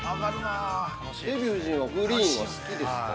◆デヴィ夫人はグリーンは好きですか。